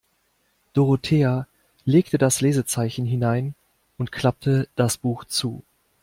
Dorothea legte das Lesezeichen hinein und klappte das Buch zu.